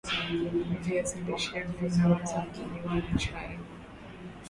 viazi lishe Vinaweza kuliwa na chai